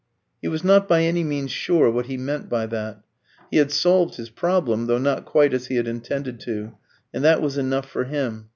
He was not by any means sure what he meant by that. He had solved his problem, though not quite as he had intended to, and that was enough for him.